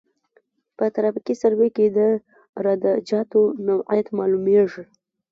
په ترافیکي سروې کې د عراده جاتو نوعیت معلومیږي